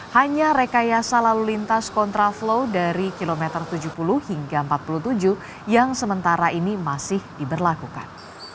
hanya rekayasa lalu lintas kontraflow dari kilometer tujuh puluh hingga empat puluh tujuh yang sementara ini masih diberlakukan